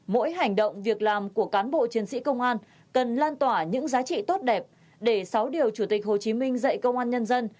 mỗi hành động việc làm của cán bộ chiến sĩ công an cần lan tỏa những giá trị tốt đẹp để sáu điều chủ tịch hồ chí minh dạy công an nhân dân